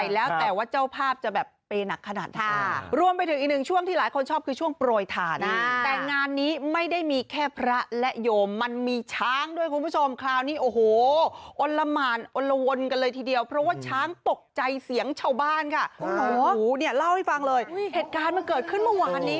เล่าให้ฟังเลยเหตุการณ์เมื่อเกิดขึ้นเมื่อวานนี้